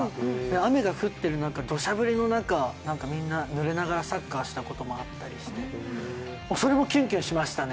雨が降ってる中、どしゃぶりの中みんな濡れながらサッカーしたこともあったりしてそれもキュンキュンしましたね。